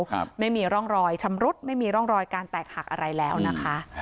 ครับไม่มีร่องรอยชำรุดไม่มีร่องรอยการแตกหักอะไรแล้วนะคะ